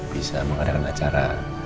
bisa mengadakan acara